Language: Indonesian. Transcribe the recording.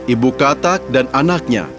ibu katak dan anaknya